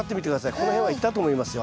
この辺はいったと思いますよ。